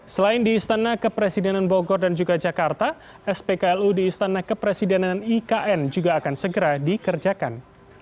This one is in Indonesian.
selain di istana kepresidenan bogor dan juga jakarta spklu di istana kepresidenan ikn juga akan segera dikerjakan